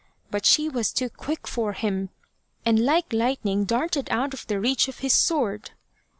But she was too quick for him, and like lightning darted out of the reach of his sword.